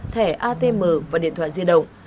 thẻ atm và điện thoại diệt động